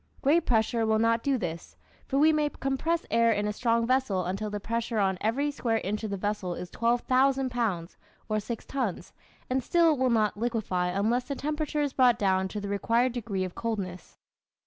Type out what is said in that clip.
Great pressure will not do this, for we may compress air in a strong vessel until the pressure on every square inch of the vessel is 12,000 pounds, or six tons, and still it will not liquefy unless the temperature is brought down to the required degree of coldness.